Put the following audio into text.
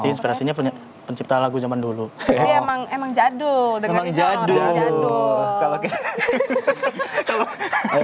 inspirasinya pencipta lagu zaman dulu emang jadul emang jadul